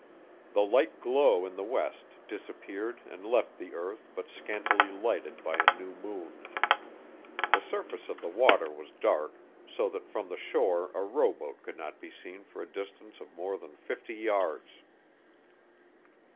The light glow in the west disappeared and left the earth but scantily lighted by a new moon. The surface of the water was dark, so that from the shore a rowboat could not be seen for a distance of more than fifty yards.